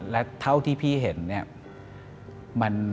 และเท่าที่พี่เห็น